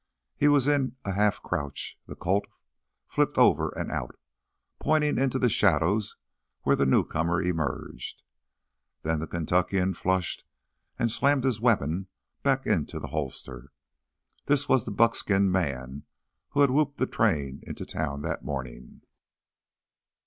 He was in a half crouch, the Colt flipped over and out, pointing into the shadows where the newcomer emerged. Then the Kentuckian flushed and slammed his weapon back into the holster. This was the buckskinned man who had whooped the train into town that morning.